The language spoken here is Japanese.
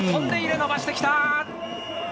伸ばしてきた！